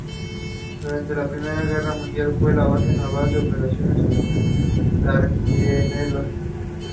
The Centralia use of the "Railroaders" moniker ties to local industry and history.